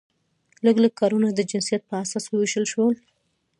لږ لږ کارونه د جنسیت په اساس وویشل شول.